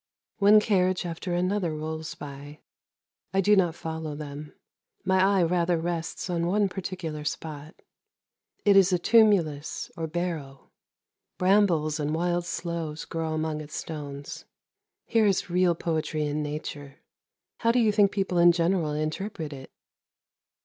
One carriage after another rolls by; I do not follow them, my eye rather rests on one particular spot. It is a tumulus, or barrow; brambles and wild sloes grow among its stones. Here is real poetry in nature. How do you think people in general interpret it?